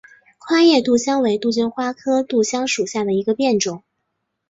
宽叶杜香为杜鹃花科杜香属下的一个变种。